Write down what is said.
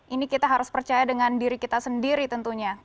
ini kita harus percaya dengan diri kita sendiri tentunya